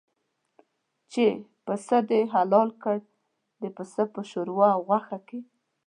چې پسه دې حلال کړ د پسه په شوروا او غوښه کې.